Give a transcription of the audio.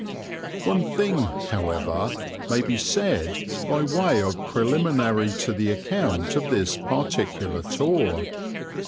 One thing, however, may be said by way of preliminary to the account of this particular tour.